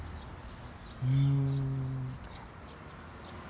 うん。